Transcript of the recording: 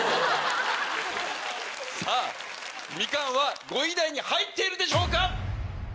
さぁみかんは５位以内に入っているでしょうか